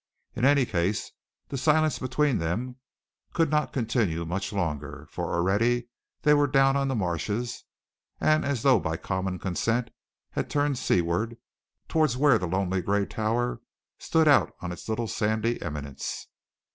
In any case, the silence between them could not continue much longer, for already they were down on the marshes, and, as though by common consent, had turned seaward, towards where the lonely gray tower stood out on its little sandy eminence.